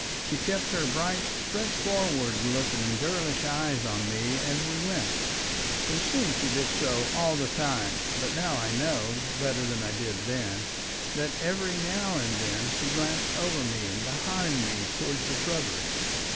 She kept her bright, straightforward looking girlish eyes on me as we went; it seemed she did so all the time, but now I know, better than I did then, that every now and then she glanced over me and behind me towards the shrubbery.